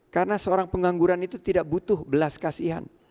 karena seorang pengangguran itu tidak butuh belas kasihan